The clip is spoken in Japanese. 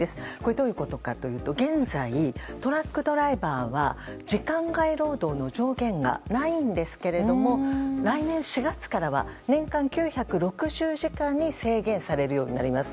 どういうことかというと現在、トラックドライバーは時間外労働の上限がないんですけれども来年４月からは年間９６０時間に制限されるようになります。